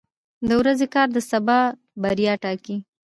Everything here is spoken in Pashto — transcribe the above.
• د ورځې کار د سبا بریا ټاکي.